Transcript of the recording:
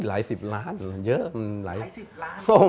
หลายสิบล้านเยอะหลายสิบล้าน